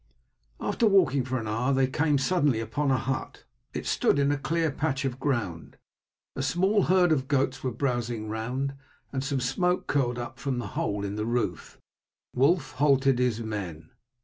After walking for an hour they came suddenly upon a hut. It stood in a cleared patch of ground; a small herd of goats were browsing round, and some smoke curled up from a hole in the roof. Wulf halted his men.